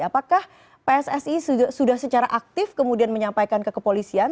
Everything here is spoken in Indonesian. apakah pssi sudah secara aktif kemudian menyampaikan ke kepolisian